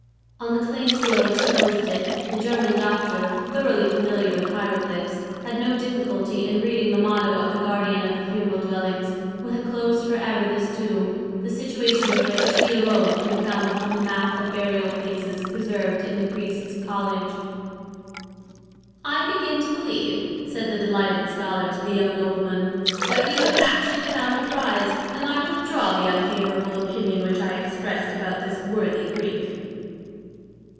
On the clay seal which closed it, the German doctor, thoroughly familiar with hieroglyphs, had no difficulty in reading the motto of the guardian of the funeral dwellings, who had closed forever this tomb, the situation of which he alone could have found upon the map of burial places preserved in the priests' college. "I begin to believe," said the delighted scholar to the young nobleman, "that we have actually found a prize, and I withdraw the unfavourable opinion which I expressed about this worthy Greek."